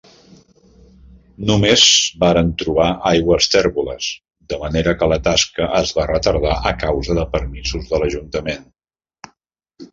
Només van trobar aigües tèrboles, de manera que la tasca es va retardar a causa de permisos de l'ajuntament.